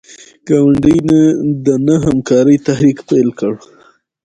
ګاندي د نه همکارۍ تحریک پیل کړ.